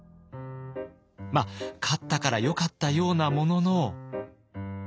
まあ勝ったからよかったようなものの。